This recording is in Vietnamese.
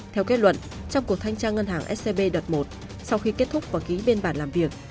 theo kết luận trong cuộc thanh tra ngân hàng scb đợt một sau khi kết thúc và ký biên bản làm việc